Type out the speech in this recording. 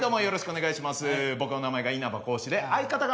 よろしくお願いします。